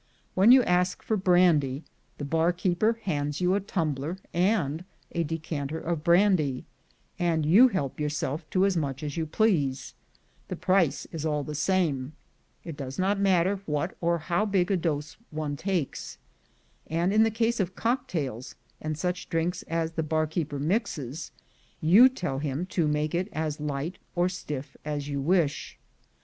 When you ask for brandy, the bar keeper hands you a tumbler and a decanter of brandy, and you help yourself to as much as 5^ou please: the price is all the same; it does not matter what or how big a dose one takes: and in the case of cocktails, and such drinks as the bar keeper mixes, you tell him to make it as light, or sti£F, as you wish.